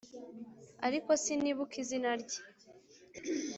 ariko sinibuka izina rye